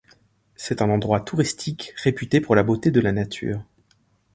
C'est un endroit touristique réputé pour la beauté de la nature.